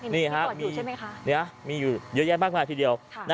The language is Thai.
นี่ครับมีอยู่เยอะแยะมากมายทีเดียว